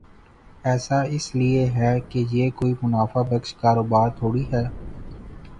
ایسا اس لئے ہے کہ یہ کوئی منافع بخش کاروبار تھوڑی ہے۔